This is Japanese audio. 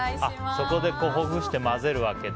そこでほぐして混ぜるわけだ。